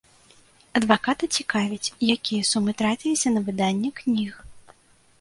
Адваката цікавіць, якія сумы траціліся на выданне кніг.